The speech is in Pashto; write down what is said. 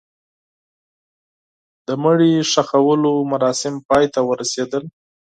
د مړي ښخولو مراسم پای ته ورسېدل.